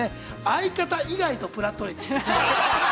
相方以外と「ぷらっとりっぷ」。